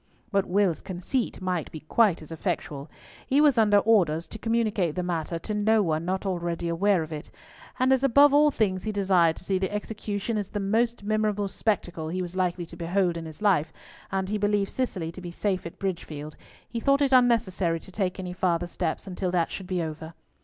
But Will's conceit might be quite as effectual. He was under orders to communicate the matter to no one not already aware of it, and as above all things he desired to see the execution as the most memorable spectacle he was likely to behold in his life, and he believed Cicely to be safe at Bridgefield, he thought it unnecessary to take any farther steps until that should be over.